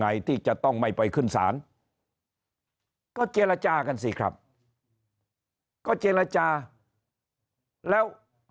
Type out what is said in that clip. ไงที่จะต้องไม่ไปขึ้นศาลก็เจรจากันสิครับก็เจรจาแล้ว